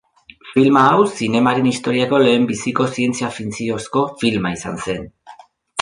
Filma hau zinemaren historiako lehenbiziko zientzia-fikziozko filma izan zen.